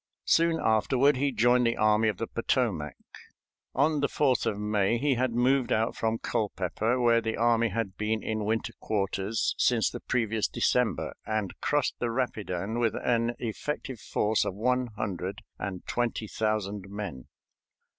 Soon afterward he joined the Army of the Potomac. On the 4th of May he had moved out from Culpeper, where the army had been in winter quarters since the previous December, and crossed the Rapidan with an effective force of one hundred and twenty thousand men.